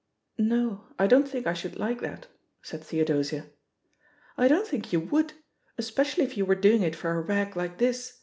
"'No, I dcm't think I should like that," said Theodosia. "I don't think you would 1 — especially if you were doing it for a rag like this.